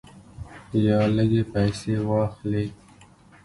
یا لږې پیسې واخلې.